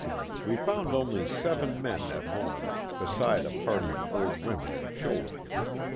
We found only seven men at home, beside a party of old women and children.